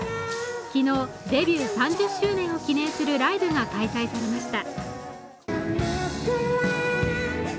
昨日、デビュー３０周年を記念するライブが開催されました。